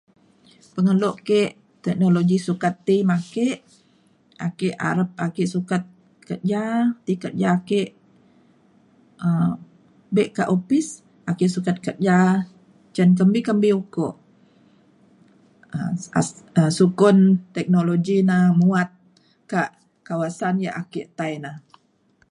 pengelo ke teknologi sukat ti me ake ake arep ake sukat kerja ti kerja ke um be kak opis ake sukat kerja cin kembi kembi ukok um sukun teknologi na muat kak kawasan yak ake tai na